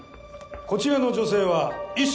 こちらの女性は意識